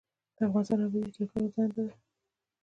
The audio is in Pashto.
د افغانستان ابادي د ټولو دنده ده